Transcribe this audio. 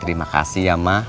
terima kasih ya mak